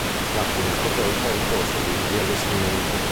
La pinacoteca è in corso di riallestimento.